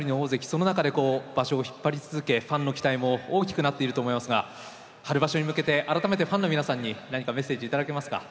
その中で場所を引っ張り続けファンの期待も大きくなっていると思いますが春場所に向けて改めてファンの皆さんに何かメッセージ頂けますか。